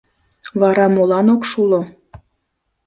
Вара молан ок шуло?